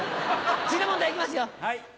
次の問題いきますよ。